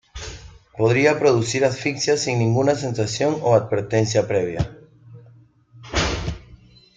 Podría producir asfixia sin ninguna sensación o advertencia previa.